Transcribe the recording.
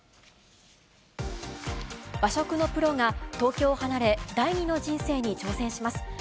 和食のプロが、東京を離れ、第二の人生に挑戦します。